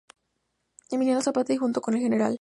Emiliano Zapata y junto con el Gral.